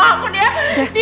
dia udah jijik sama aku